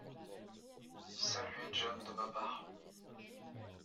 Saluez John de ma part.